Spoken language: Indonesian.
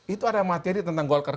itu ada materi tentang golkar